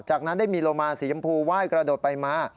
จากนั้นได้มีโลมาสียำพูไหว้กระโดดไปมา